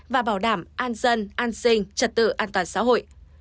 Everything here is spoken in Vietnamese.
và bảo đảm an dân an sinh trật tự an toàn xã hội